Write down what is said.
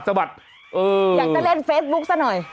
อยากจะเล่นเฟซบุ๊คซะหน่อย